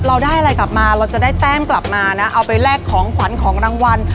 เราได้อะไรกลับมาเราจะได้แต้มกลับมานะเอาไปแลกของขวัญของรางวัล